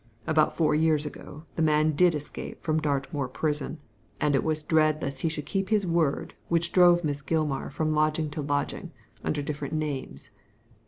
About four years ago the man did escape from Dartmoor Prison ; and it was dread lest he should keep his word which drove Miss Gilmar from lodging to lodging, under different names.